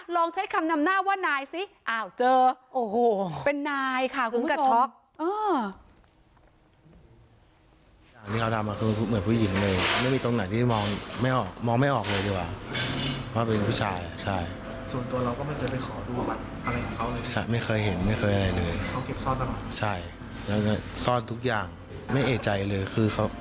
ลองใช้คำนำหน้าว่านางสาวก็ไม่เจอ